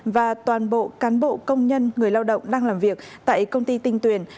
và toàn bộ cán bộ công nhân người lao động đang làm việc tại công ty tinh tuyền